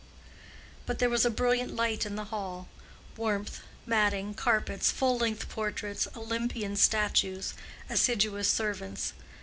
But there was a brilliant light in the hall—warmth, matting, carpets, full length portraits, Olympian statues, assiduous servants.